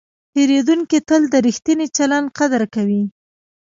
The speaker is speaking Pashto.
پیرودونکی تل د ریښتیني چلند قدر کوي.